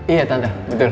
iya tante betul